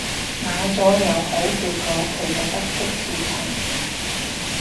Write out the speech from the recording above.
奶咗有好結果其實得的士陳